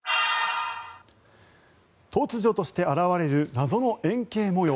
突如として現れる謎の円形模様